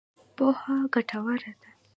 پوهه ګټوره ده.